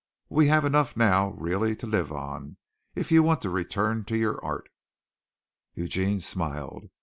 We have enough now, really, to live on, if you want to return to your art." Eugene smiled.